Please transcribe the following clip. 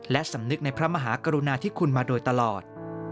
และสำนึกในพระมหากรุณาธิคุณมาโดยตลอด